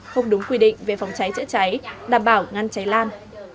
không đúng quy định về phòng cháy chữa cháy đảm bảo ngăn cháy lan